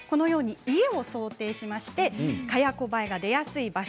家を想定しまして蚊やコバエが出やすい場所